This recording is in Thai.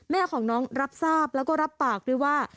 แม่ของน้องรับทราบแล้วก็รับปากด้วยว่า